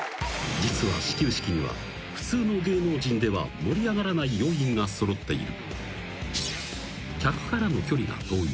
［実は始球式には普通の芸能人では盛り上がらない要因が揃っている］